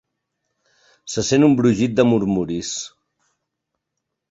Se sent un brogit de murmuris.